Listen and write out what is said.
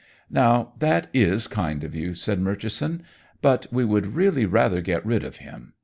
"Now, that is kind of you," said Murchison, "but we would really rather get rid of him.